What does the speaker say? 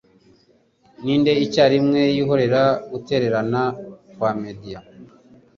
ninde icyarimwe yihorera gutererana kwa Medea